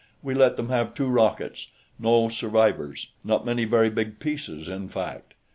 We let them have two rockets. No survivors. Not many very big pieces, in fact.